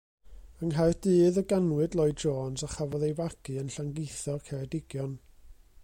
Yng Nghaerdydd y ganwyd Lloyd-Jones a chafodd ei fagu yn Llangeitho, Ceredigion.